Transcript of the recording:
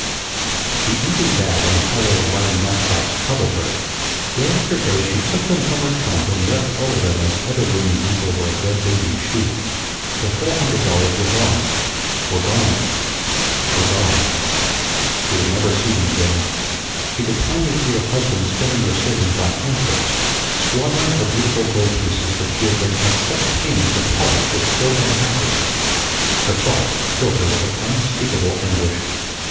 The empty bag and the hollow, light match box troubled her. Day after day she took them from her trunk and wept over them as other women weep over a dead baby's shoe. Her four hundred dollars were gone, were gone, were gone. She would never see them again. She could plainly see her husband spending her savings by handfuls; squandering her beautiful gold pieces that she had been at such pains to polish with soap and ashes. The thought filled her with an unspeakable anguish.